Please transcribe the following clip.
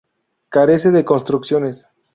Carece de construcciones.